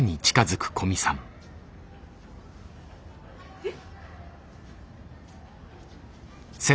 えっ。